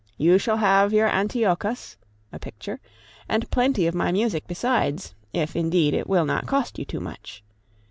You shall have your Antiochus [a picture], and plenty of my music besides if, indeed, it will not cost you too much.